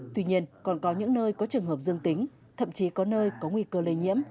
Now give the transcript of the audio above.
tuy nhiên còn có những nơi có trường hợp dương tính thậm chí có nơi có nguy cơ lây nhiễm